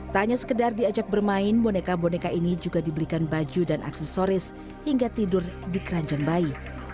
tak hanya sekedar diajak bermain boneka boneka ini juga dibelikan baju dan aksesoris hingga tidur di keranjang bayi